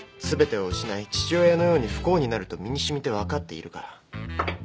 全てを失い父親のように不幸になると身に染みて分かっているから。